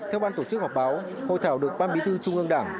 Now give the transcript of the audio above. theo ban tổ chức họp báo hội thảo được ban bí thư trung ương đảng